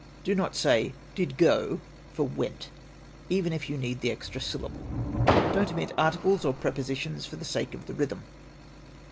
"Don't say 'did go' for 'went/ even if you need an extra syllable. "Don't omit articles or prepositions for the sake of the rhythm.